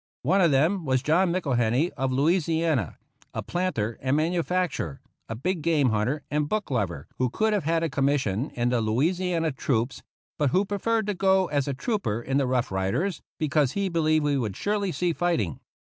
One of Aem was John Mcllhenny, of Louisiana; a planter and manufacturer, a big 41 THE ROUGH RIDERS game hunter and book lover, who could have had a commission in the Louisiana troops, but who preferred to go as a trooper in the Rough Riders because he believed we would surely see fighting.